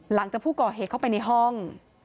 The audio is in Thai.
หลังจากผู้ก่อเหตุเข้าไปในห้อง